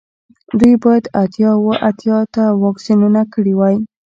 دوی باید اتیا اوه اتیا ته واکسینونه کړي وای